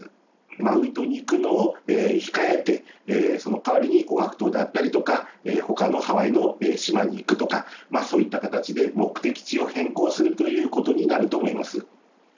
マウイ島に行くのを控えて、そのかわりにオアフ島であったりとか、ほかのハワイの島に行くとか、そういった形で目的地を変更するということになると思います。